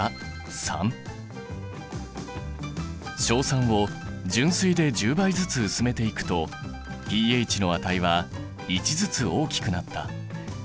硝酸を純水で１０倍ずつ薄めていくとｐＨの値は１ずつ大きくなった。